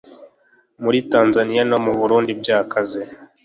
muri tanzaniya no mu burundi byakaze